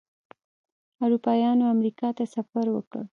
اروپایانو امریکا ته سفر وکړ.